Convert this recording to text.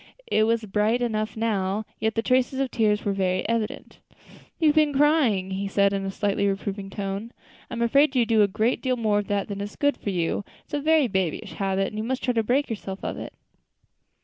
It was bright enough now, yet the traces of tears were very evident. "You have been crying," he said, in a slightly reproving tone. "I am afraid you do a great deal more of that than is good for you. It is a very babyish habit, and you must try to break yourself of it."